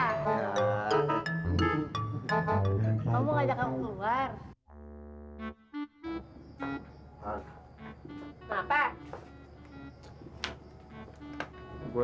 kamu mau ngajak kamu keluar